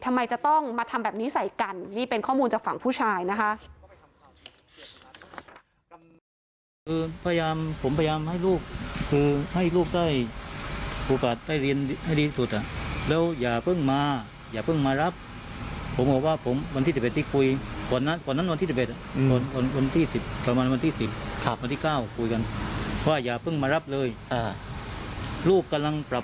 ทำไมจะต้องมาทำแบบนี้ใส่กันนี่เป็นข้อมูลจากฝั่งผู้ชายนะคะ